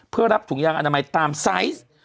เพื่อรับถุงยางอนามัยตามไซส์